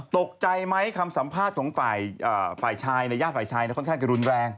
ตกใจไหมคำสัมภาษณ์ของฝ่ายชายในญาติฝ่ายชายค่อนข้างจะรุนแรง